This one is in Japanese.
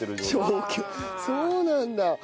調教そうなんだ。